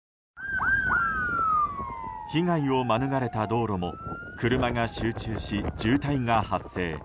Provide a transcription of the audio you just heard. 被害を免れた道路も車が集中し渋滞が発生。